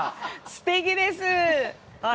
すてきです！